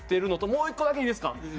もう１個だけいいですか？